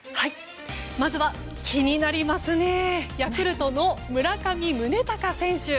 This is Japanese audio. まずは、気になりますねヤクルトの村上宗隆選手。